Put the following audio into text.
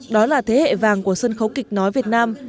đó là thế hệ vàng của sân khấu kịch nói việt nam